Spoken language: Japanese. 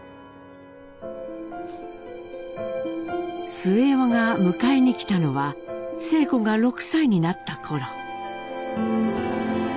末男が迎えに来たのは晴子が６歳になったころ。